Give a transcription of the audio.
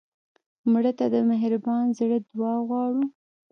مړه ته د مهربان زړه دعا غواړو